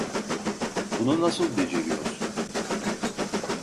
Bunu nasıl beceriyorsun?